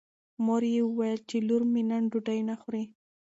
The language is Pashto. مور یې وویل چې لور مې نن ډوډۍ نه خوري.